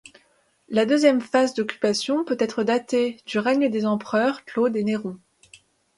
La deuxième phase d'occupation peut être datée du règne des empereurs Claude et Néron.